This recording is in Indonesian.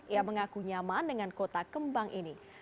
ia mengaku nyaman dengan kota kembang ini